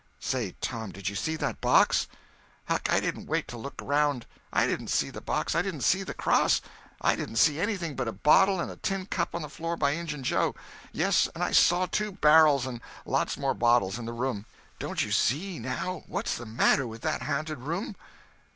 "Say, Tom, did you see that box?" "Huck, I didn't wait to look around. I didn't see the box, I didn't see the cross. I didn't see anything but a bottle and a tin cup on the floor by Injun Joe; yes, I saw two barrels and lots more bottles in the room. Don't you see, now, what's the matter with that ha'nted room?"